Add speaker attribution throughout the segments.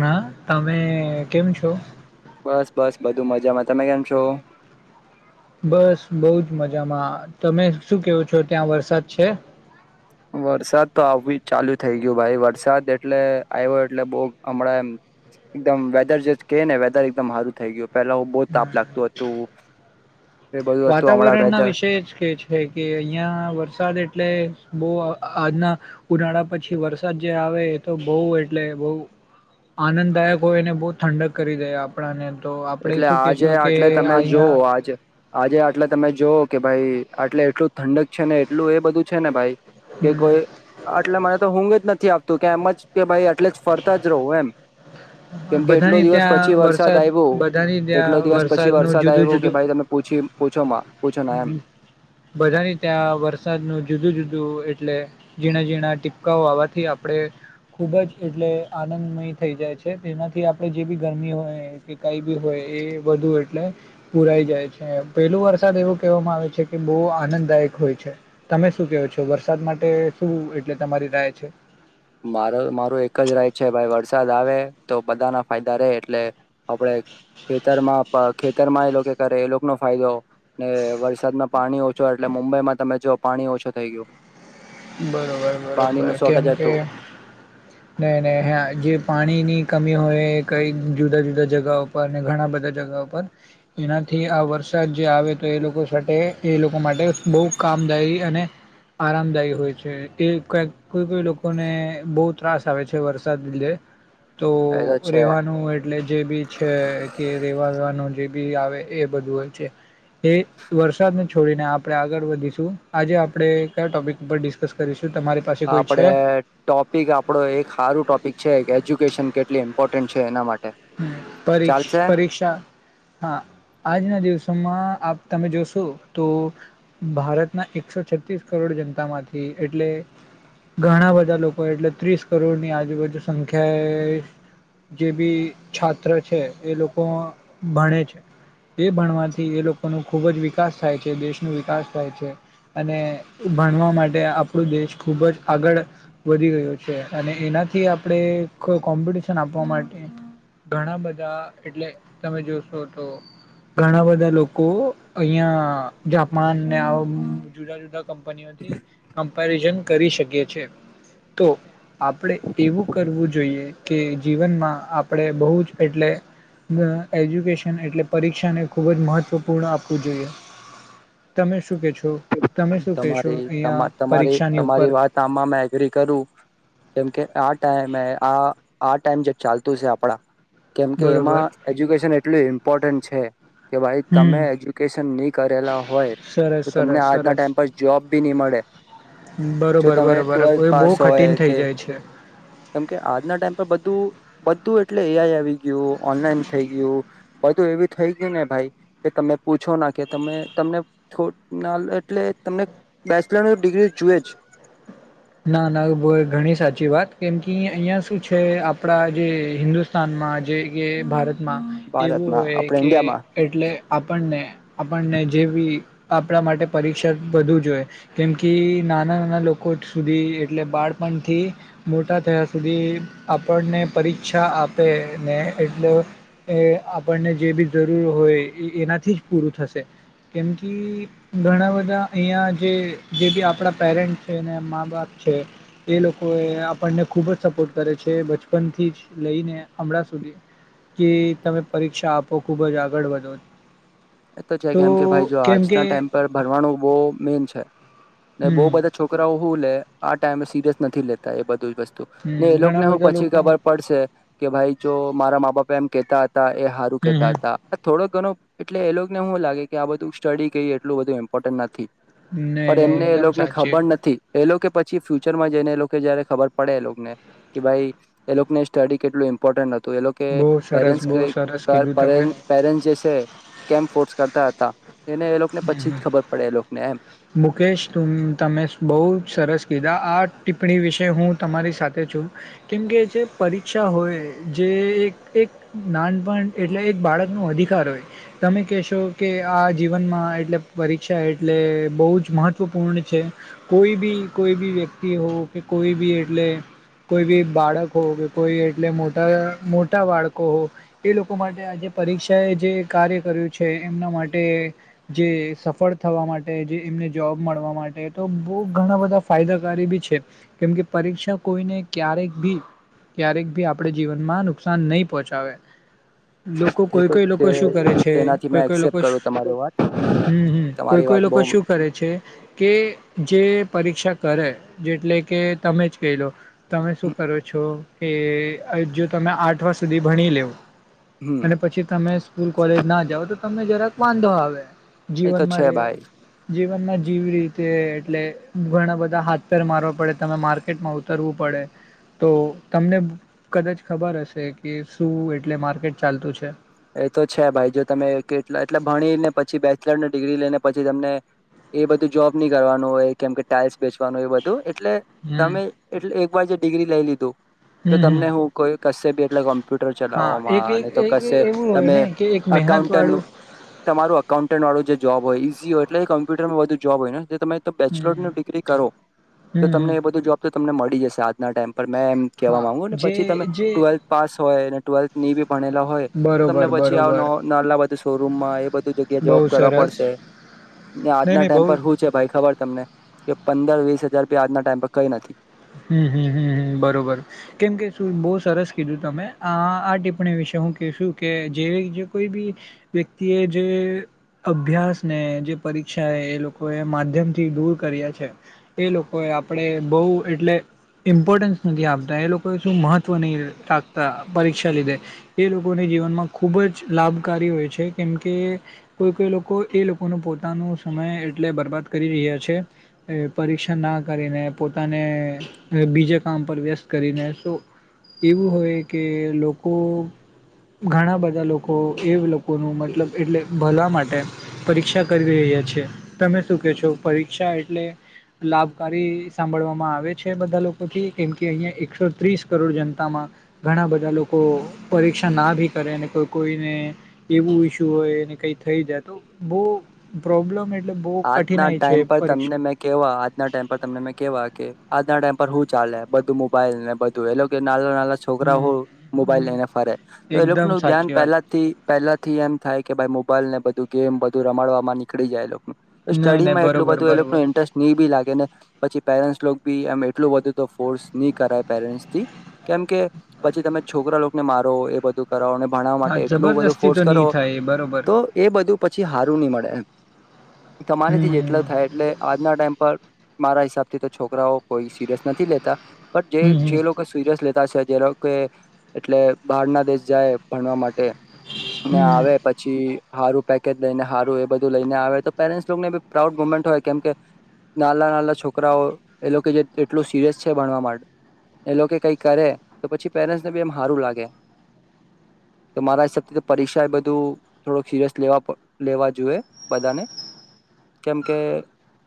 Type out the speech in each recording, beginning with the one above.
Speaker 1: ના તમે કેમ છો
Speaker 2: બસ બસ બધું મજામાં તમે કેમ છો
Speaker 1: બસ બહુજ મજામાં તમે શું કેવો છો ત્યાં વરસાદ છે
Speaker 2: વરસાદ તો આવી ચાલુ થઇ ગયું ભાઈ વરસાદ એટલે આવ્યો એટલે બહુ હમણાં એમ એકદમ વેધર જે કે ને વેધર એકદમ સારું થઇ ગયું પેલા બહુ તાપ લાગતું હતું એ બધું હતું હમણાં
Speaker 1: વાતાવરણ ના
Speaker 2: વેધર
Speaker 1: વિષય જ કે છે કે અહિયાં વરસાદ એટલે બહુ આજના ઉનાળા પછી વરસાદ જે આવે એ તો બહુ એટલે બહુ આનંદદાયક હોયને બહુ ઠંડક કરી દે આપણાને તો આપણે
Speaker 2: એટલે
Speaker 1: શું
Speaker 2: આજે
Speaker 1: કહેશું કે
Speaker 2: આટલે તમે જોવો
Speaker 1: અહીંયા
Speaker 2: આજ આજે આટલા તમે જો કે ભાઈ આટલે એટલું ઠંડક છે ને એટલું એ બધું છે ને ભાઈ કે કોઈ આટલા મરે તો ઉઘ જ નથી કે આપતું કે એમ જ કે ભાઈ એટલે ફરતા જ રહો એમ કેમ કે એટલો
Speaker 1: બધાની
Speaker 2: દિવસ પછી
Speaker 1: ત્યાં
Speaker 2: વરસાદ આવ્યો
Speaker 1: બધાની
Speaker 2: એટલો
Speaker 1: ત્યાં
Speaker 2: દિવસ પછી
Speaker 1: વરસાદનું
Speaker 2: વરસાદ
Speaker 1: જુદું
Speaker 2: આવ્યો કે
Speaker 1: જુદું
Speaker 2: ભાઈ તમે પૂછી પૂછો માં પૂછો ના એમ
Speaker 1: બધાની ત્યાં વરસાદનું જુદું જુદું હું એટલે ઝીણા ઝીણા ટીપકાઓ આવવાથી આપણે ખૂબ જ એટલે આનંદમય થઈ જાય છે તેનાથી આપણે જે બી ગરમી હોય કે કઈ બી હોય એ વધુ એટલે પુરાઈ જાય છે પેલોું વરસાદ એવું કહેવામાં આવે છે કે બહુ આનંદદાયક હોય છે તમે શું કેહો છો વરસાદ માટે શું એટલે તમારી રાય છે
Speaker 2: મારો મારું એક જ રાય છે ભાઈ વરસાદ આવે તો બધાના ફાયદા રહેે એટલે આપડ ખેતરમાં ખેતરમાં એ લોકો કરે એ લોકોનો ફાયદો ને વરસાદમાં પાણી ઓછો એટલે મુંબઈમાં તમે જો પાણી ઓછો થઈ ગયું
Speaker 1: બરોબર બરોબર
Speaker 2: પાણીનું
Speaker 1: કેમ
Speaker 2: શોર્ટેજ
Speaker 1: કે
Speaker 2: હતું
Speaker 1: નહી નહી હા જે પાણી ની કમી હોય કઈ જુદા જુદા જગ ઉપર ઘણા બધા જગા ઉપર એનાથી આ વરસાદ જે આવે તો એ લોકો માટે એ લોકો માટે બહુ કામદાયી અને આરામદાયી કોઈ છે એ કેક કોઈ ભી લોકોને બહુ ત્રાસ આવે છે વરસાદ લીધે
Speaker 2: એ
Speaker 1: તો
Speaker 2: છે
Speaker 1: રેવાનું એટલે જે બી છે કે રેવા વેવાનું જે પી આવે એ બઘુ અ છે એ વરસાદને છોડીને આપણે આગળ વધીશું આજે આપણે કયા ટોપિક બ ડિસ્કસ કરીશ.
Speaker 2: આપડે ટોપિક, આપડો એક સારું ટોપિક છે એજ્યુકેશન કે ઈમ્પોર્ટન્ટ છે એના માટે
Speaker 1: હુ પરી
Speaker 2: ચાલશે
Speaker 1: પરીક્ષા હા આજના દિવસોમાં આપ તમે જોશો તો ભારતના એકસો છતીસ કરોડ જનતામાંથી એટલે ઘણા બધા લોકો એટલે ત્રીસ કરોડની આજુબાજુ સંખ્યાએ જે બી છાત્ર છે એ લોકો ભણે છે એ ભણવાથી એ લોકો ન ખૂબ જ વિકાસ થાય છે દેશનો વિકાસ થાય છે અને ભણવા માટે આપણું દેશ ખૂબ જ આગળ વધી ગયો છે અને એનાથી આપણે કોમ્પિટિશન આપવા માટે ઘણા બધા એટલે તમે જોશો તો ઘણા બધા લોકો અહં જાપાન ને આઉ જુદા જુદા કંપનીઓથી કમ્પેરિઝન કરી શકીએ છે તો આપણેે એવું કરવું જોઈએ કે જીવનમાં આપણે બહુજ એટલે ઘ એજ્યુકેશન એટલે પરીક્ષાને ખુબ જ મહત્વપૂર્ણ આપવું જોઈએ તમે શું કે છો તમે શું કહેશો
Speaker 2: તમારી
Speaker 1: અહીંયા
Speaker 2: તમારી
Speaker 1: પરીક્ષાની ઉપર
Speaker 2: તમારી વાત આ એગ્રી કરું કેમકે આ ટમે આ આ ટાઈમ જે ચાલતું છે આપડા કેમ કે
Speaker 1: બરોબર
Speaker 2: એમાં એજ્યુકેશન એટલું ઇમ્પોર્ટન્ટ છે. કે ભાઈ તમે
Speaker 1: હમ
Speaker 2: એજ્યુકેશન નહી કરેલા હોય
Speaker 1: સરસ
Speaker 2: તો તમને
Speaker 1: સરસ
Speaker 2: આજના
Speaker 1: સરસ
Speaker 2: ટાઈમ જોબ બી નહી મળે જો
Speaker 1: બરોબર
Speaker 2: તમે
Speaker 1: બરોબર
Speaker 2: ટવેલ્થ
Speaker 1: એ બહુ
Speaker 2: પાસ હોય
Speaker 1: કઠિન થઈ
Speaker 2: કે
Speaker 1: જાય છે
Speaker 2: કેમકે આજના ટાઈમ પર બધું બધું એટલે એઆઈ આવી ગયું ઓનલાઈન થઈ ગયું બધું એવું થઈ ગયું ને ભાઈ કે તમે પૂછો ના કે તમે તમને છ ના એટલે તમને બેચલર ડિગ્રી જોુએ જ.
Speaker 1: ના ના ઘણી સાચી વાત કેમ કે અહિયાં શું છે આપડા જે હિન્દુસ્તાનમાં જે કે ભારત માં એવું
Speaker 2: ભારતમાં
Speaker 1: હોય
Speaker 2: આપણે
Speaker 1: કે
Speaker 2: ઈન્ડિયામાં
Speaker 1: એટલે આપણને આપણને જેવી આપણા માટે પરીક્ષા વધુ જોયે કેમ કે નાના નાના લોકો સુધી એટલે બાળપણથી મોટા થયા સુધી આપણને પરીક્ષા આપે ને એટલે એ આપણને જે બી જરૂર હોય એ એનાથી જ પૂરું થશે કેમ કે ઘણા બધા અહીંયા જે જે બી આપણાં પેરેન્ટ્સ છે ને મા બાપ છે એ લોકોએ આપણને ખૂબ જ સપોર્ટ કરે છે બચપનથી જ લઈને હમણાં સુધી કે તમે પરીક્ષા આપો ખુબ જ આગળ વધો
Speaker 2: એ તો છે કેમ કે ભાઈ જો
Speaker 1: કેમ કે
Speaker 2: આજના ટાઈમ પર ભણવાનું બો મેન છે. ને બો
Speaker 1: હમ
Speaker 2: બધા છોકરાઓ હું લે આ ટાઈમે સિરિયસ નથી લેતા એ બધું જ વસ તુ ને
Speaker 1: હમ
Speaker 2: એ
Speaker 1: ઘણા
Speaker 2: લોકોને હું
Speaker 1: બધા
Speaker 2: પછી
Speaker 1: લોકો
Speaker 2: ખબર પડશે કે ભાઈ જો મારા મા બાપા એમ કેતા હ તા એ હારું
Speaker 1: હમ
Speaker 2: કેતા
Speaker 1: હમ
Speaker 2: હતા થોડોક કનો એટલે એ લોકોને હું લાગે કે આ બધું સ્ટડી કેય એટલું બધુંઇમ્પોર્ટન્ટ ન થી
Speaker 1: નહી
Speaker 2: પણ
Speaker 1: નહી
Speaker 2: એમને એ
Speaker 1: એકદમ
Speaker 2: લોકને
Speaker 1: સાચી
Speaker 2: ખબર નથી. એ લોકે પછી ફ્યુચરમાં જઈને એ લોકે જયારે ખબર પડે એ લોકોને કે ભાઈ એ લોકોને સ્ટડી કેટલું ઇમ્પોર્ટન્ટ હ તુ એ લોકો કે
Speaker 1: બહુ સરસ
Speaker 2: પેરેન્ટસ
Speaker 1: બહુ સરસ કીધું તમે
Speaker 2: [unintelligible] પેરેન્ટ્સ જે છે. કેમ ફોર્સ કરતા હતા એને એ લોકને
Speaker 1: હમ
Speaker 2: પછી
Speaker 1: હમ
Speaker 2: જ ખબર પડે એ લો નેમ
Speaker 1: મુકેશ તુમ તમે બો સરસ કીધા આ ટિપ્પણી વિશે હું તમારી સાથે છું કેમકે જે પરીક્ષા હોય જે એક એક નાનપણ એટલે એક બાળકનો અધિકાર હોય તમે કહેશો કે આ જીવનમાં એટલે પરીક્ષા એટલે બહુ જ મહત્ત્વપૂર્ણ છે કોઈ બી કોઈ બી વ્યક્તિ હો કે કોઈ બી એટલે કોઈ બી બાળક હો કે કોઈ એટલે મોટા મોટા બાળકો હો એ લોકો માટે આજે પરીક્ષાએ જે કાર્ય કર્યું છે એમના માટે જે સફળ થવા મા ટે જે એમને જોબ મળવા માટે તો બો ઘણા બધા ફાયદાકારી બી છે. કેમકે પરીક્ષા કોઈને ક્યારેક ભી ક્યારેક ભી આપણે જીવનમાં નુકસાન નહી પહોંચાવે લોકો
Speaker 2: તે
Speaker 1: કોઈ
Speaker 2: તો
Speaker 1: કોઈ
Speaker 2: તે
Speaker 1: લોકો શું કરે છે
Speaker 2: તેનાથી
Speaker 1: કોઈ
Speaker 2: મેં
Speaker 1: કોઈ
Speaker 2: એક્સેપ્ટ
Speaker 1: લોકો
Speaker 2: કરું તમારી વાત
Speaker 1: હમ હમ કોઈ
Speaker 2: તમારી
Speaker 1: કોઈ
Speaker 2: વાત
Speaker 1: લો પ
Speaker 2: બહ
Speaker 1: શું કરે છે. કે જે પરીક્ષા કરે જેટલે કે તમે જ કહી લો તમે શું કરો છો કે જો તમે આઠવા સુધી ભણી લેવ
Speaker 2: હમ
Speaker 1: અને પછી તમે સ્કૂલ કોલેજ ના જાવ તો તમને જરાક વાંધો આવે
Speaker 2: એ તો
Speaker 1: જીવનમાં
Speaker 2: છે
Speaker 1: રે
Speaker 2: ભાઈ
Speaker 1: જીવનમાં જીવી રીતે એટલે ઘણા બધા હાથ પેર મારવા પડે તમે માર્કેટમાં ઉતરવું પડે તો તમને કદાચ ખબર હશે કે શું એટલે માર્કેટ ચાલતું છે.
Speaker 2: એ તો છે ભાઈ જો તમે કેટલા એટલે ભણી ને પછી બે ચલરની ડિગ્રી લઈને પછી તમને એ બધું જોબ ની કરવાનું હોય કેમ કે ટાઈલ્સ વેચવાનું એવુ બધું એટલે
Speaker 1: હમ
Speaker 2: તમે એટલે ડિગ્રી લઈ લીધું. તો
Speaker 1: હમ હમ
Speaker 2: તમને હું કોઈ કરશે બી એટલે કોમ્પ્યુટર
Speaker 1: હા એક
Speaker 2: ચલાવવામાં
Speaker 1: એક
Speaker 2: ને તો
Speaker 1: એક
Speaker 2: કરશે
Speaker 1: એવું હોય
Speaker 2: તમે
Speaker 1: ને કે એક મહેનત
Speaker 2: અકાઉન્ટરનુ
Speaker 1: વાળું
Speaker 2: તમારું અકાઉન્ટન્ટ જે જો હોય ઈઝીય એટલેએ કમ્પ્યુટરમાં વધુ જોબ હોય ને તમે બેચલર
Speaker 1: હમ
Speaker 2: ડિગ્રી કરો તો
Speaker 1: હમ
Speaker 2: તમને
Speaker 1: હમ
Speaker 2: એ બધું જોબ તમને મડી જશે આજના ટાઈમ મેં એમ કેવા
Speaker 1: હા
Speaker 2: માંગુને
Speaker 1: જે
Speaker 2: પછી તમે
Speaker 1: જે
Speaker 2: ટુવેલ્થ પાસ હોય અને ટ્વેલ્થ ની બી ભણેલા હોય તમને
Speaker 1: બરોબર
Speaker 2: પછી
Speaker 1: બરોબર
Speaker 2: આવનો નાલા બધું શોરૂમમાં એ બધું જગ્યા
Speaker 1: બહુ
Speaker 2: જોબ કરવા
Speaker 1: સરસ
Speaker 2: પડશે. ને
Speaker 1: નહી
Speaker 2: આજના
Speaker 1: નહી બહુ
Speaker 2: ટાઈમ પર હું છે ભાઈ ખબર તમને પંદર વીસ હજાર આજના ટાઈમ પર કઈ નથી.
Speaker 1: હુમ હુમ હુમ બરોબર કેમકે શું બો સરસ કીધું તમે આ આ ટીપ્પણી વિશે હું કેશું કે જે કોઈ બી વ્યક્તિ એ જે અભ્યાસને જે પરીક્ષા એ એ લોકોએ માધ્યમ થી દૂર કર્યા છે. એ લોકોએ આપણે બઉ એટલે ઈમ્પોર્ટન્સ નથી આપતા એ લોકોએ શું મહત્ત્વ નહીં રાખતા પરીક્ષા લીધે. એ લોકોને જીવનમાં ખૂબ જ લાભકારી હોય છે કેમકે કોઈ કોઈ લોકો એ લોકોનો પોતાનો સમય એટલે બરબાદ કરી રહ્યા છે. પરીક્ષા ના કરીને પોતાના અને બીજા કામ પર વ્યસ્ત કરીને શો એવું હોય કે લોકો ઘણા બધા લોકો એ લોકોનું મતલબ એટલે ભલા માટે પરીક્ષા કરી રહ્યા છે. તમે શું કહે છો! પરીક્ષા એટલે લાભકારી સાંભળવા આવે છે બધા લોકોથી કેમ કે અહીયાં એકસો ત્રીસ કરોડ જનતામાં ઘણા બધા લોકો પરીક્ષા ના ભી કરે કોઈને એવું ઈસ્યુ હોયને કઈ થઈ જાય તો બઉ
Speaker 2: આજના
Speaker 1: છે
Speaker 2: ટાઈમ પર તમને
Speaker 1: પરીક્ષા
Speaker 2: મે કેવા આજના ટાઈમ પર તમને મેં કેવા કે [inaudible] છોકરા
Speaker 1: હમ
Speaker 2: મોબાઈલ
Speaker 1: હમ
Speaker 2: લઈને ફરે તો એ લોકો
Speaker 1: એકદમ
Speaker 2: નું ધ્યાન
Speaker 1: સાચી વાત
Speaker 2: પલાથી પહેલાથી એમ થાય કે ભાઈ મોબાઈલ ને દુકે એમ બધું રમાડવા માં નીકળી જાયે લો
Speaker 1: નહી નહી
Speaker 2: સ્ટડીમાં એટલું
Speaker 1: બરોબર
Speaker 2: બધું એ લોકો
Speaker 1: બરોબર
Speaker 2: ન ઈન્ટરેસ્ટ ની બી લાગે ને પછી પેરેન્ટસ લોક બી એમ એટલું બધું તો ફોર્સ ની કરાય પેરેન્ટસ થી કેમ કે પછી તમે છોકરા લોકોને મારો એ બધું ભણવા
Speaker 1: હા
Speaker 2: માટે એટલું બધું
Speaker 1: જબરદસ્તી તો
Speaker 2: ફોર્સ
Speaker 1: નહી
Speaker 2: કરો
Speaker 1: થાય એ બરોબર
Speaker 2: તો એ બધું પછી હારું ની મળે તમારીથી
Speaker 1: હમ
Speaker 2: જેટલા થાય એટલે આજના ટાઈમ પર મારા હિસાબ થી તો છોકરાઓ કોઈ સિરિયસ નથી લેતા પણ જે
Speaker 1: હમ હમ
Speaker 2: જે લોકો સીરિયસ લે અછા કે જે લોકો એટલે બહાર ના દેશ જાય ભણવા માટે ને
Speaker 1: હમ
Speaker 2: આવે
Speaker 1: નહી
Speaker 2: પછી હારું પેકેટ લઈ ને હારું બધું લઈને આવે તો પેરેન્ટ્સ લોકોને બી પ્રાઉડ મુવમેન્ટ હોય કેમ કે નાલા નાલા છોકરાઓ એ લોકો જે એટલું સિરિયસ છે ભણવા માટે એ લોકો કંઈ કરે તો પછી પેરેન્ટ્સને બી એમ હારું લાગે. તો મારા હિસાબથી પરીક્ષા એ બધું થોડુંક સિરિયસ લેવા લેવા જોઈએ. બધાને કેમ કે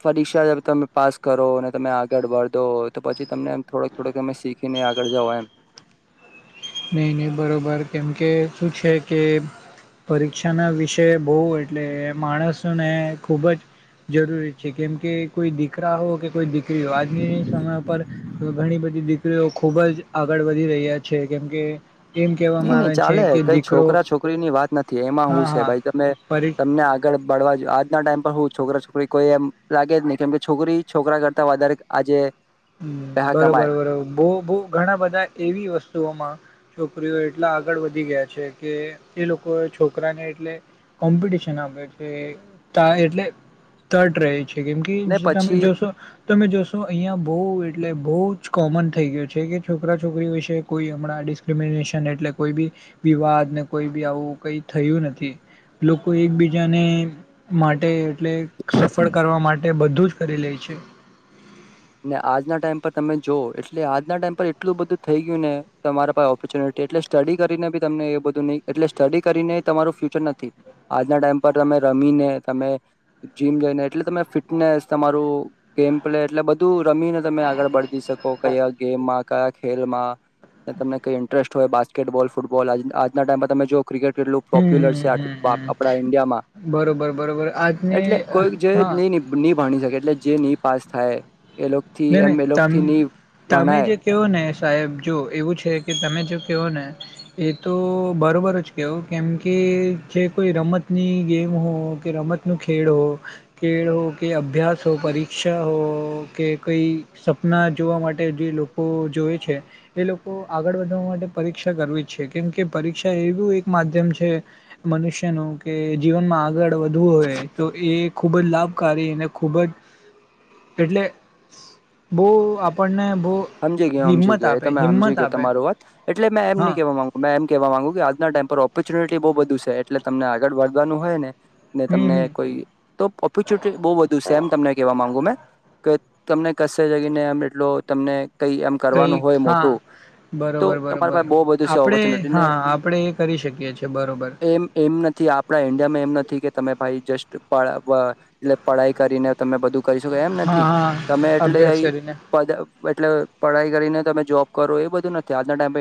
Speaker 2: પરીક્ષા તમે પાસ કરો અને તમે આગળ વધો તો પછી તમને થોડક થોડક તમે શીખીને આગળ જાઓ એમ.
Speaker 1: નહી નહી બરોબર કેમકે શું છે કે પરીક્ષા ના વિષય બઉ એટલે માણસને ખુબ જ જરૂરી છે કેમ કે કોઈ દીકરા હો કે કોઈ દીકરી હો, આજની સમય ઉપર ઘણી બધી દી કરીઓ ખુબ જ આગળ વધી રહ્યા છે. કેમ કે
Speaker 2: ની ની ચાલે, કઈ
Speaker 1: દીકરો
Speaker 2: છોકરા છોકરી ની વાત નથી, એમાં
Speaker 1: હા
Speaker 2: હું છે
Speaker 1: હા
Speaker 2: ભાઈ તમે
Speaker 1: પરી
Speaker 2: તમને આગળ બળવા આજના ટાઈમ પર હું છોકરા છોકરી કોઈ એમ લાગે જ ની કેમકે છોકરી, છોકરા કરતા વધારે આજે
Speaker 1: હમ્મ,
Speaker 2: પેહા
Speaker 1: બરોબર
Speaker 2: કમાય
Speaker 1: બરોબર, બો બો ઘણા બધા એવી વસ્તુઓમાં છોકરીઓ એટલા આગળ વધી ગયા છે કે, એ લોકો છોકરાને એટલે કોમ્પિટિશન આપે છે, તા એટલે તટ રહે છે. કેમ કે
Speaker 2: ને
Speaker 1: જ તમે
Speaker 2: પછી
Speaker 1: જોશો, તમે જોશો અહિયાં [unintelligible] એટલે બહુ જ કોમન થઈ ગ્યું છે કે, છોકરા છોકરી વિશે કોઈ હમણાં ડિસ્ક્રિમિનેશન એટલે કોઈ બી વિવાદ ને કોઈ બી આવું કઈ થયું નથી, લોકો એકબીજાને માટે એટલે સફળ કરવા માટે બધું જ કરી લે છે.
Speaker 2: આજના ટાઈમ પર તમે જોઓ, એટલે આજના ટાઈમ પર એટલું બધું થઈ ગ્યું ને, તમારા પાહે ઓપોર્ચ્યુનિટી એટલે સ્ટડી કરીને બી તમને એ બધું નહી એટલે સ્ટડી કરીને તમારું ફ્યુચર નથી, આજના ટાઈમ પર તમે રમીને, તમે જીમ જઈને એટલે તમે ફિટનેસ, તમારું ગેમ પ્લે એટલે બ દૂર પ્રમીન તમે આગળ બડદી શકો કૈયા ગેમમાં કા ખેલમાં, તે તમને કઈ ઇન્ટરેસ્ટ હોય બાસ્કેટબોલ, ફૂટબોલ આજ આજના ટાઈમમાં તમે જો ક્રિકેટ કેટલું
Speaker 1: હમ
Speaker 2: પોપ્યુલર
Speaker 1: હમ
Speaker 2: છે
Speaker 1: હમ હમ
Speaker 2: આપડા ઈન્ડિયામાં,
Speaker 1: બરોબર બરોબર
Speaker 2: એટલે
Speaker 1: આજની અ,
Speaker 2: કોઈ જે
Speaker 1: હા
Speaker 2: ન ની ભણી શકે એટલે જે ની પાસ થાય એ લોકોથી
Speaker 1: ન ન
Speaker 2: એમ એ
Speaker 1: તમ,
Speaker 2: લોકોથી નહી
Speaker 1: તમે
Speaker 2: ભણાય
Speaker 1: જે કેઓ ને સાહેબ જો એવું છે કે તમે જો કેઓ ને, એ તો બરોબર જ કેઓ કેમ કે, જે કોઈ રમતની ગેમ હો, કે રમતનું ખેળ હો ખળ હો, કે અભ્યાસ, હો પરીક્ષા હો, કે કઈ સપના જોવા માટે જે લોકો જોવે છે, એ લોકો આગળ વધવા માટે પરીક્ષા કરવી જ છે, કેમકે પરીક્ષા એવું એક માધ્યમ છે મનુષ્યનું, કે જીવનમાં આગળ વધવું હોય તો એ ખૂબ જ લાભકારી અને ખૂબ જ, એટલે બઉ આપણને બહુ
Speaker 2: હમજી ગ્યો હમજી
Speaker 1: હિંમત
Speaker 2: ગ્યો એ
Speaker 1: આપે
Speaker 2: તમે હમજી
Speaker 1: હિંમત
Speaker 2: ગ્યો
Speaker 1: આપે
Speaker 2: તમારું વાત, એટલે મેં એમ ની
Speaker 1: હા
Speaker 2: કેવા માંગુ, મેં એમ કેવા માંગુ કે આજના ટાઈમ પર ઓપી ર્ચ્યુનિટી બો બધું સે, એટલે તમને આગળ ભાગવાનું હોય ને ને
Speaker 1: હમ
Speaker 2: તમને
Speaker 1: હમ
Speaker 2: કોઈ તો ઓપોર્ચ્યુનિટી બઉ બધુ છે એમ તમને કેવા માંગુ મેં. કે તમને કશે જગીને એમ એટલો તમને કઈ એમ કરવાનું
Speaker 1: કઈક
Speaker 2: હોય મોટું,
Speaker 1: હા
Speaker 2: તો
Speaker 1: બરોબર
Speaker 2: તમારા
Speaker 1: બરોબર
Speaker 2: પાસે બોહ બધું છે
Speaker 1: આપડે
Speaker 2: સવચનટી ને
Speaker 1: હા આપડે એ કરી શકીએ છીએ બરોબર
Speaker 2: એમ એમ નથી આપણા ઈન્ડિયામાં એમ નથી કે તમે ભાઈ જસ્ટ પાડ વા એટલે પઢાઈ કરીને તમે બધું કરી શકો એમ
Speaker 1: હા
Speaker 2: નથી,
Speaker 1: હા
Speaker 2: તમે
Speaker 1: અભ્યાસ
Speaker 2: એટલેઇ
Speaker 1: કરીને
Speaker 2: પદ એટલે પઢાઈ કરીને તમે જોબ કરો એ બધું ન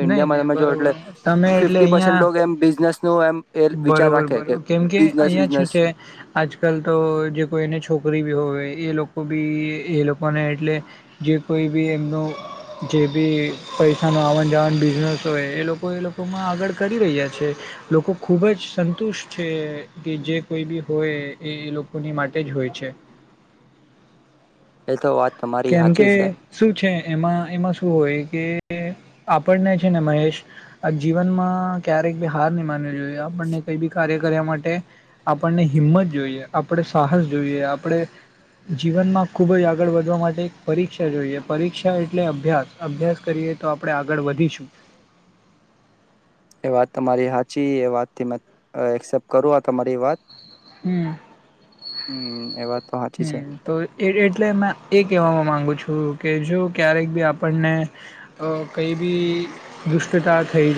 Speaker 1: નઈ નહી બરોબર, તમે એટલે
Speaker 2: ફિફ્ટી પર્સન્ટ
Speaker 1: અહિયાં,
Speaker 2: લોકો એમ બિઝનેસનું એમ એ વિચાર
Speaker 1: બરોબર
Speaker 2: રાખે
Speaker 1: બરોબર, કેમ કે
Speaker 2: બિઝનેસ
Speaker 1: અહિયાં છુ
Speaker 2: બિઝનેસ
Speaker 1: છે આજ કલ તો જે કોઈને છોકરી બી હોય એ લોકો બી એ લોકોને એટલે જે કોઈ બી એમનું જે બી પૈસાનો આવન [unintelligible] બિઝનેસ હોય, એ લોકો એ લોકોમાં આગળ કરી રહ્યા છે, લોકો ખુબ જ સંતુષ્ટ છે કે જે કોઈ બી હોય એ એ લોકોની માટે જ હોય છે.
Speaker 2: એ તો વાત તમારી
Speaker 1: કેમ કે
Speaker 2: સાચી છે
Speaker 1: શું છે એમાં એમાં શું હોય, કે આપણને છે ને મહેશ, આ જીવનમાં ક્યારેક બી હાર ની માનવી જોયે આપણને કઈ બી કાર્ય કર્યા માટે આપણને હિંમત જોઈએ, આપણે સાહસ જોઈએ, આપણે જીવનમાં ખુબ જ આગળ વધવા મા આપડે પરીક્ષા જોઈએ પરીક્ષા એટલે અભ્યાસ અભ્યાસ કરીએ તો આપણેે આગળ વધીશું
Speaker 2: એ વાત તમારી હાચી એ વાતથી મે એક્સેપ્ટ કરું આ તમારી વાત
Speaker 1: હમ્મ
Speaker 2: હમ એ વાત તો સાચી છે
Speaker 1: હમ્મ તો એટલે એજ઼ કહેવાવા માંગુ છું તો કે જો ક્યારેક બી આપણને અ કંઈ બી દુષ્ટતા થઈ જાય